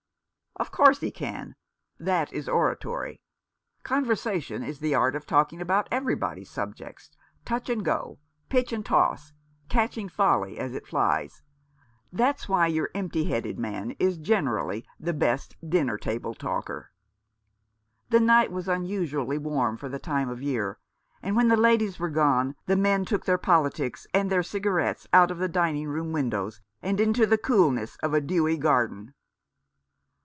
" Of course he can ! That is oratory. Con versation is the art of talking about everybody's subjects — touch and go — pitch and toss — catching folly as it flies. That's why your empty headed man is generally the best dinner table talker." The night was unusually warm for the time of year, and when the ladies were gone the men 363 Rough Justice. took their politics and their cigarettes out of the dining room windows and into the coolness of a dewy garden.